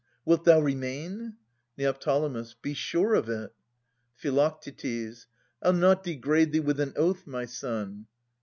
Wilt thou remain? Neo. Be sure of it. Phi. I'll not degrade thee with an oath, my son.